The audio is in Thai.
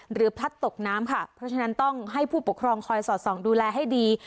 พลัดตกน้ำค่ะเพราะฉะนั้นต้องให้ผู้ปกครองคอยสอดส่องดูแลให้ดี